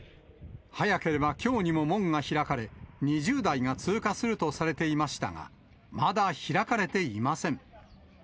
早ければきょうにも門が開かれ、２０台が通過するとされていましたが、まだ開かれていません。